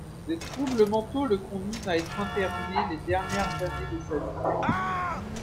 Des troubles mentaux le conduisent à être interné les dernières années de sa vie.